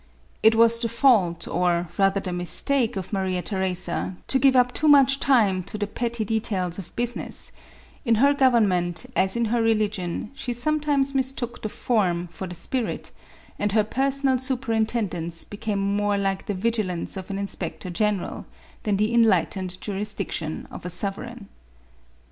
It was the fault, or rather the mistake of Maria Theresa to give up too much time to the petty details of business ; in her gov ernment, as in her religion, she sometimes mistook the form for the spirit, and her personal superintendence became more like the vigilance of an inspector general, than the enlightened jurisdiction of a sovereign."